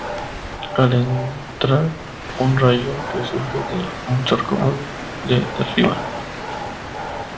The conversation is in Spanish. Al entrar un rayo que surge de un sarcófago le derriba.